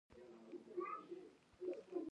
موږ د انصاف دفاع نه کوو.